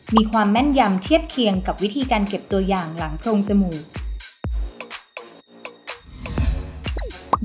มีความแม่นยำเทียบเคียงกับวิธีการเก็บตัวอย่างหลังโพรงจมูก